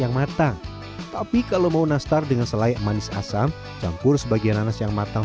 yang matang tapi kalau mau nastar dengan selai manis asam campur sebagian nanas yang matang